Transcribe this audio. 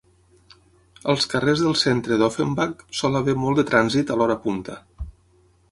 Als carrers del centre d'Offenbach sol haver molt de trànsit a l'hora punta.